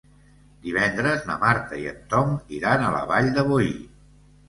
Divendres na Marta i en Tom iran a la Vall de Boí.